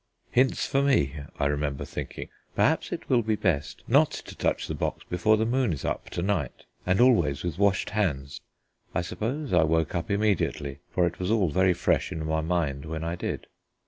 "Hints for me," I remember thinking. "Perhaps it will be best not to touch the box before the moon is up to night, and always with washed hands." I suppose I woke up immediately, for it was all very fresh in my mind when I did.